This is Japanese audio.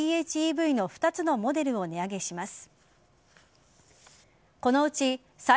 ＰＨＥＶの２つのモデルを値上げします。